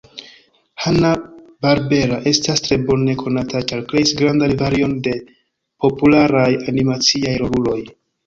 Hanna-Barbera estas tre bone konata ĉar kreis grandan varion de popularaj animaciaj roluloj.